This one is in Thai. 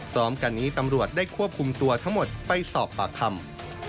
พร้อมกันนี้ตำรวจได้ควบคุมตัวทั้งหมดไปสอบปากคำ